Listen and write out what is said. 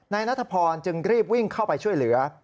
นายนัทพรจึงรีบวิ่งเข้าไปช่วยเหลือ